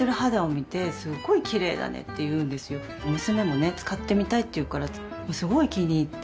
娘もね使ってみたいって言うからもうすごい気に入って。